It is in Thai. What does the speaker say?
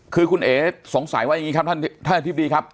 คือคุณเอ๋สงสัยว่าอย่างนี้ครับท่านอธิบดีครับ